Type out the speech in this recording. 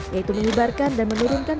yaitu menyebarkan dan menurunkan